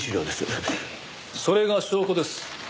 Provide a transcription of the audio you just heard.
それが証拠です。